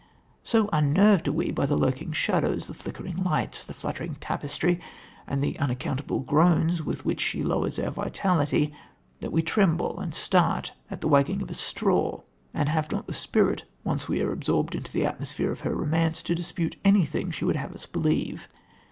So unnerved are we by the lurking shadows, the flickering lights, the fluttering tapestry and the unaccountable groans with which she lowers our vitality, that we tremble and start at the wagging of a straw, and have not the spirit, once we are absorbed into the atmosphere of her romance, to dispute anything she would have us believe.